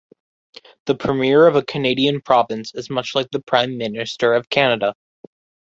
The premier of a Canadian province is much like the Prime Minister of Canada.